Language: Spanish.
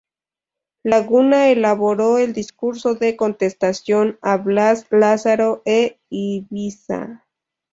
Laguna elaboró el discurso de contestación a Blas Lázaro e Ibiza.